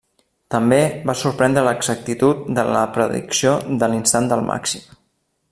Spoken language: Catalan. També va sorprendre l'exactitud de la predicció de l'instant del màxim.